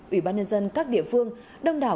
ủy ban nhân dân các địa phương đông đảo